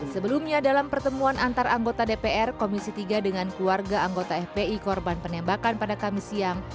sebelumnya dalam pertemuan antar anggota dpr komisi tiga dengan keluarga anggota fpi korban penembakan pada kamis siang